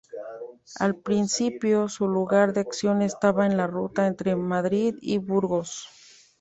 Al principio su lugar de acción estaba en la ruta entre Madrid y Burgos.